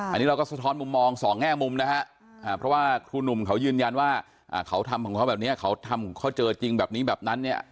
อันนี้เราก็สะท้อนมุมมองสองแง่มุมนะฮะเพราะว่าครูหนุ่มเขายืนยันว่าเขาทำของเขาแบบนี้เขาทำเขาเจอจริงแบบนี้แบบนั้นเนี่ย